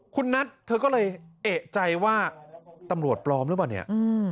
คุณนัทเธอก็เลยเอกใจว่าตำรวจปลอมหรือเปล่าเนี่ย